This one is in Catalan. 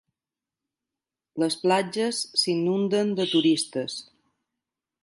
Les platges s'inunden de turistes.